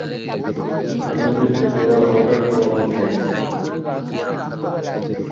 এ নদীতে জোয়ার-ভাটার প্রভাব নেই।